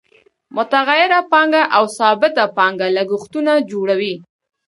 متغیره پانګه او ثابته پانګه لګښتونه جوړوي